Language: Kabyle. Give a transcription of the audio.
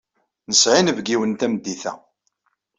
Nesɛa inebgiwen tameddit-a.